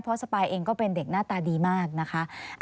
เพราะสปายเองก็เป็นเด็กหน้าตาดีมากนะคะ